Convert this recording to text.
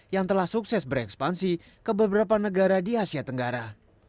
yang telah sukses berekspansi ke beberapa negara di asia tenggara